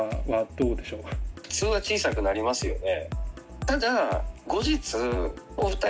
普通は小さくなりますよね。